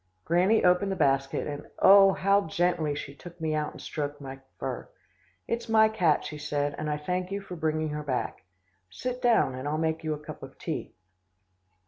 "Granny opened the basket, and oh! how gently she took me out and stroked my fur. 'It's my cat,' she said, 'and I thank you for bringing her back. Sit down, and I'll make you a cup of tea.